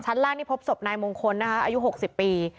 ชั้นล่านนี่พบศพนายมงคลนะคะอายุหกสิบปี